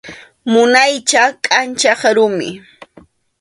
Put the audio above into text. Munaycha kʼanchaq rumi.